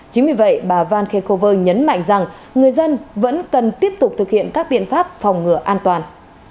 chính vì vậy bà van khekover nhấn mạnh rằng người dân vẫn cần tiếp tục thực hiện các biện pháp phòng ngừa an toàn